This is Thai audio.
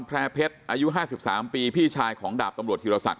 แพร่เพชรอายุห้าสิบสามปีพี่ชายของดาบตำรวจธิรษักษ์